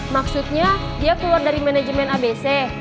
maksudnya dia keluar dari manajemen abc